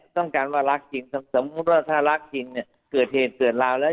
ต้องการว่ารักจริงสมมุติว่าถ้ารักจริงเนี่ยเกิดเหตุเกิดราวแล้ว